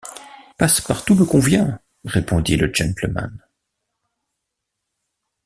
Passepartout me convient, répondit le gentleman.